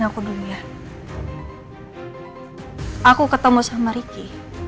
aku mau ketemu sama riki